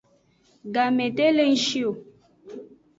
Game de le ng shi o.